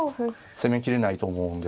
攻めきれないと思うんですが。